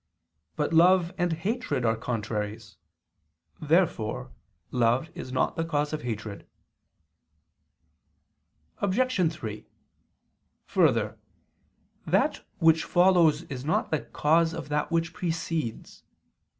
But love and hatred are contraries. Therefore love is not the cause of hatred. Obj. 3: Further, that which follows is not the cause of that which precedes.